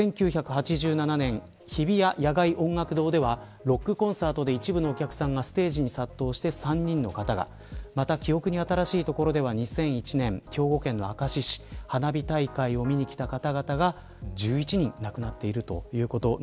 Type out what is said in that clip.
１９８７年、日比谷野外音楽堂ではロックコンサートで一部のお客さんがステージに殺到して３人の方が記憶に新しいところでは２００１年、兵庫県の明石市花火大会を見に来た方々が１１人亡くなりました。